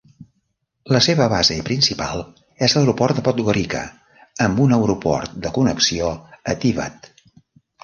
La seva base principal és l'aeroport de Podgorica, amb un aeroport de connexió a Tivat.